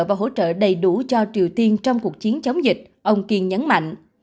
và hỗ trợ đầy đủ cho triều tiên trong cuộc chiến chống dịch ông kiên nhấn mạnh